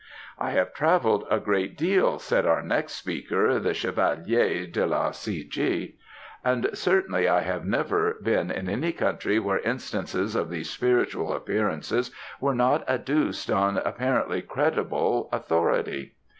"I have travelled a great deal," said our next speaker, the Chevalier de La C. G.; and, certainly, I have never been in any country where instances of these spiritual appearances were not adduced on apparently credible authority.